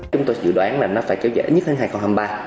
chúng tôi dự đoán là nó phải kéo dài nhất hơn hai nghìn hai mươi ba